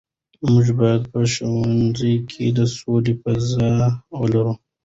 موږ باید په ښوونځي کې د سولې فضا ولرو.